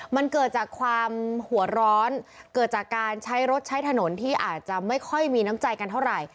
มันเกิดจากความหัวร้อนเกิดจากการใช้รถใช้ถนนที่อาจจะไม่ค่อยมีน้ำใจกันเท่าไหร่